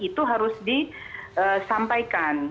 itu harus disampaikan